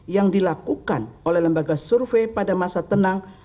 yang dilakukan oleh lembaga survei pada masa tenang